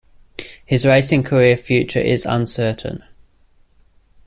His racing career future is uncertain.